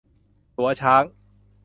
ตั๋วช้าง